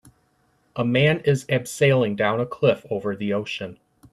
A man is abseiling down a cliff over the ocean.